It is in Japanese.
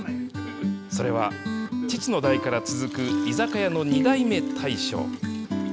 それは、父の代から続く居酒屋の２代目大将。